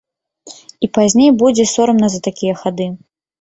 І пазней будзе сорамна за такія хады.